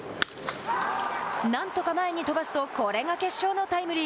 「なんとか前に飛ばす」とこれが決勝のタイムリー。